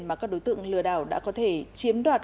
mà các đối tượng lừa đảo đã có thể chiếm đoạt